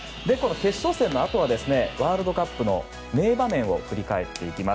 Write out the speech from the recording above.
決勝戦のあとはワールドカップの名場面を振り返っていきます。